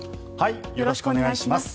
よろしくお願いします。